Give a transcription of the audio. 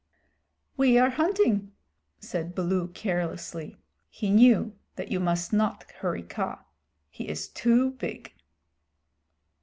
"We are hunting," said Baloo carelessly. He knew that you must not hurry Kaa. He is too big.